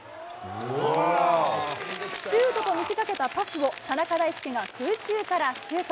シュートと見せかけたパスを田中大介が空中からシュート。